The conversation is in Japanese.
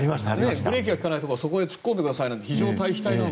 ブレーキが利かないところはそこに突っ込んでくださいって。